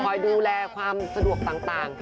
คอยดูแลความสะดวกต่าง